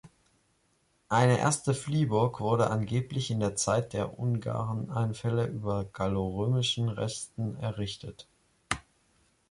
Eine erste Fliehburg wurde angeblich in der Zeit der Ungarneinfälle über gallorömischen Resten errichtet.